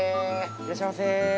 いらっしゃいませ。